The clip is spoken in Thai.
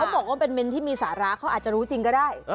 บอกว่าเป็นเม้นที่มีสาระเขาอาจจะรู้จริงก็ได้